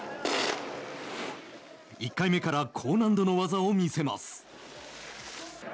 １回目から高難度の技を見せます。